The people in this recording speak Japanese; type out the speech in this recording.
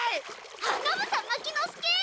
花房牧之介！